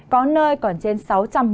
có nơi còn trên sáu trăm linh mm